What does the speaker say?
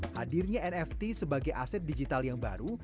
hadirnya nft sebagai aset digital yang baru